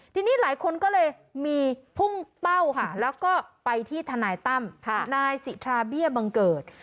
ทีนี้หลายคนก็เลยมีพุ่งเป้าค่ะแล้วก็ไปที่ทนายตั้มนายสิทราเบี้ยบังเกิด